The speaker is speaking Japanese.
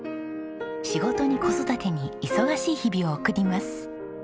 仕事に子育てに忙しい日々を送ります。